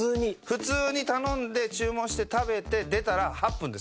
普通に頼んで注文して食べて出たら８分です